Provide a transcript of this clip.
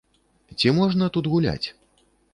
Ці можна тут гуляць?